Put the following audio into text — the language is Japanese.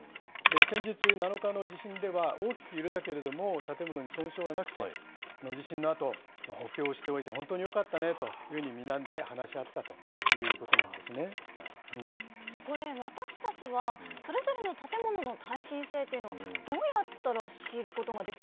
先日７日の地震では、大きく揺れたけれども、建物に損傷はなくて、地震のあと、補強しておいて本当によかったねというふうに、みんなで話し合っこれ、私たちはそれぞれの建物の耐震性というのはどうやったら知ること